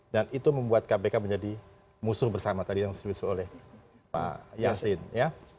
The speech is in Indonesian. dan itu membuat kpk menjadi musuh bersama tadi yang sedulis oleh pak yassin ya